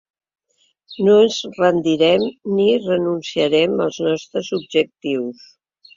No ens rendirem ni renunciarem als nostres objectius.